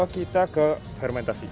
kita ke fermentasi